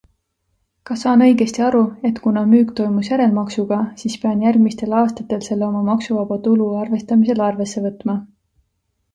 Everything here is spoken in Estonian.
Kas saan õigesti aru, et kuna müük toimus järelmaksuga, siis pean järgmistel aastatel selle oma maksuvaba tulu arvestamisel arvesse võtma?